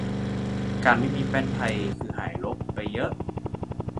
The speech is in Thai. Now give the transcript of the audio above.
การไม่มีแป้นไทยคือหายรกไปเยอะ